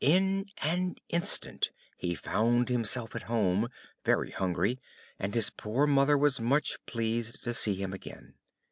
In an instant he found himself at home, very hungry, and his poor mother was much pleased to see him again.